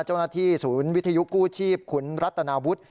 เจ้าหน้าที่ศูนย์วิทยุกู้ชีพขุนรัตนาวุฒิ